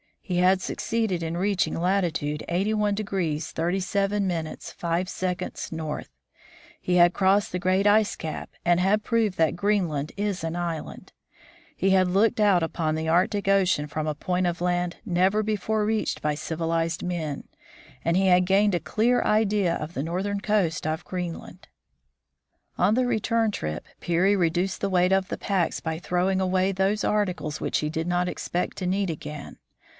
He had succeeded in reaching latitude 8i° 37' 5" north; he had crossed the great ice cap, and had proved that Greenland is an island ; he had looked out upon the Arctic ocean from a point of land never before reached by civilized men ; and he had gained a clear idea of the northern coast of Greenland. PEARY CROSSES GREENLAND 143 On the return trip Peary reduced the weight of the packs by throwing away those articles which he did not expect to need again.